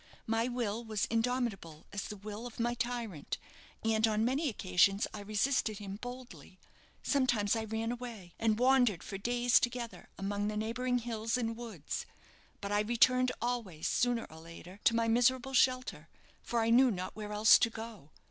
My will was indomitable as the will of my tyrant; and on many occasions I resisted him boldly. Sometimes I ran away, and wandered for days together among the neighbouring hills and woods; but I returned always sooner or later to my miserable shelter, for I knew not where else to go.